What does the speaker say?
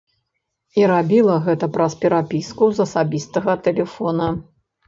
І рабіла гэта праз перапіску з асабістага тэлефона.